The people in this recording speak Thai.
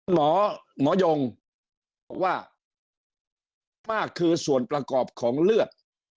หมอหมอยงบอกว่ามากคือส่วนประกอบของเลือด